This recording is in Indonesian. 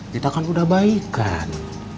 kita kan udah baik kan